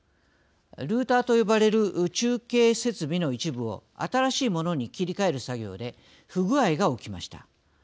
ルーターと呼ばれる中継設備の一部を新しいものに切り替える作業で不具合が起きました。